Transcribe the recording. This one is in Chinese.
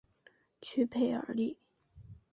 屈佩尔利。